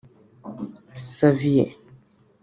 Xaviell